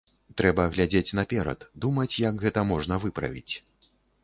Трэба глядзець наперад, думаць, як гэта можна выправіць.